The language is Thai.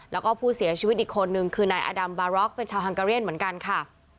แล้วก็ผู้เสียชีวิตอีกคนนึงคือนายอดัมบาร็อกเป็นชาวฮังกาเรียนเหมือนกันค่ะ